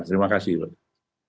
selamat siang terima kasih